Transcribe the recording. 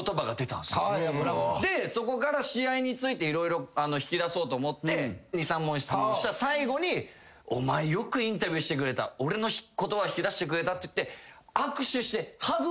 でそこから試合について色々引き出そうと思って２３問質問したら最後に「お前よくインタビューしてくれた」って言って。